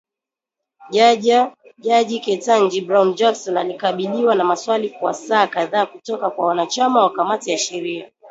Jaji Ketanji Brown Jackson, alikabiliwa na maswali kwa saa kadhaa kutoka kwa wanachama wa kamati ya sheria.